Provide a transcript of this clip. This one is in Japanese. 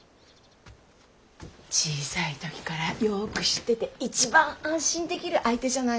小さい時からよく知ってて一番安心できる相手じゃないの。